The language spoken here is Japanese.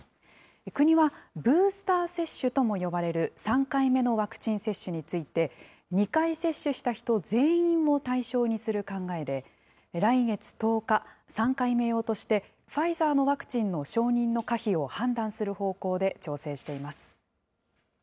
国はブースター接種とも呼ばれる３回目のワクチン接種について、２回接種した人全員を対象にする考えで、来月１０日、３回目用として、ファイザーのワクチンの承認の可否を判断する方向で調整しています。